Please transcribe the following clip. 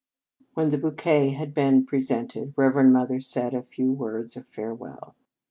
When the bouquet had been pre sented, Reverend Mother said a few words of farewell.